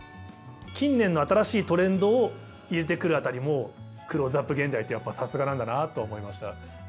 近年の新しいトレンドを入れてくる辺りも「クローズアップ現代」ってやっぱさすがなんだなと思いました。